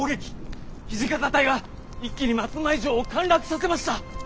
土方隊が一気に松前城を陥落させました。